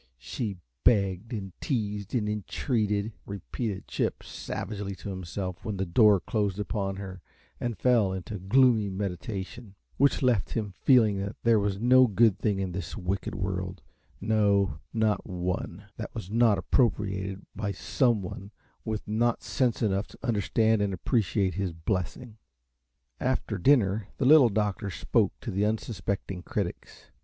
"She begged, and teased, and entreated," repeated Chip, savagely to himself when the door closed upon her, and fell into gloomy meditation, which left him feeling that there was no good thing in this wicked world no, not one that was not appropriated by some one with not sense enough to understand and appreciate his blessing. After dinner the Little Doctor spoke to the unsuspecting critics.